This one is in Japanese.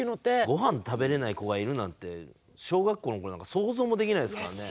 御飯食べれない子がいるなんて小学校の頃なんか想像もできないですからね。